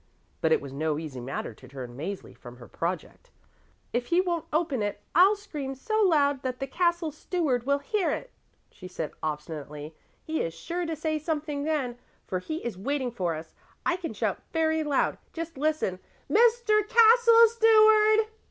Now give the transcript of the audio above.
But it was no easy matter to turn Mäzli from her project. "If he won't open it I'll scream so loud that the Castle Steward will hear it," she said obstinately. "He is sure to say something then, for he is waiting for us. I can shout very loud, just listen: 'Mr. Castle Steward!'"